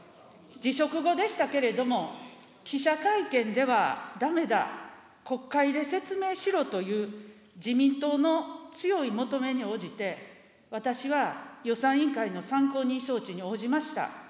辞職後でしたけれども、記者会見ではだめだ、国会で説明しろという自民党の強い求めに応じて、私は予算委員会の参考人招致に応じました。